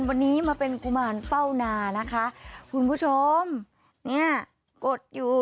วันนี้มาเป็นกุมารเป้านานะคะคุณผู้ชมเนี่ยกดอยู่